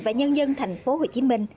và nhân dân thành phố hồ chí minh